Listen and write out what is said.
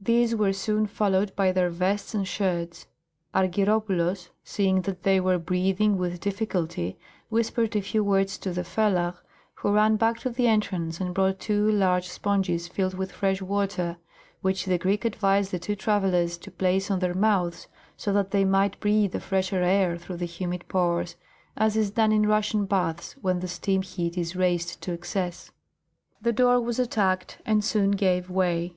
These were soon followed by their vests and shirts. Argyropoulos, seeing that they were breathing with difficulty, whispered a few words to a fellah, who ran back to the entrance and brought two large sponges filled with fresh water, which the Greek advised the two travellers to place on their mouths so that they might breathe a fresher air through the humid pores, as is done in Russian baths when the steam heat is raised to excess. The door was attacked and soon gave way.